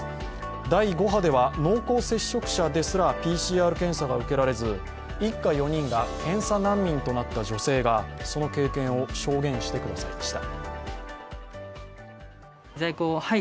第５波では濃厚接触者ですらＰＣＲ検査が受けられず一家４人が検査難民となった女性がその経験を証言してくださいました。